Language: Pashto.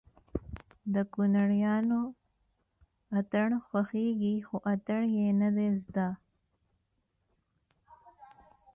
د کونړيانو اتڼ خوښېږي خو اتڼ يې نه زده